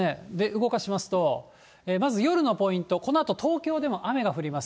動かしますと、まず夜のポイント、このあと東京でも雨が降ります。